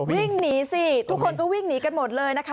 วิ่งหนีสิทุกคนก็วิ่งหนีกันหมดเลยนะคะ